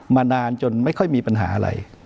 มานานจนไม่ค่อยมีปัญหาอะไร